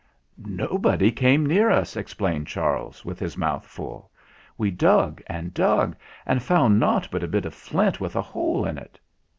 "Nobody came near us," explained Charles with his mouth full. "We dug and dug, and found nought but a bit of flint with a hole in it.